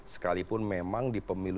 sekalipun memang di pemimpinnya